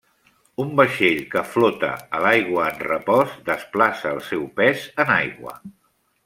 Un vaixell que flota a l’aigua en repòs desplaça el seu pes en aigua.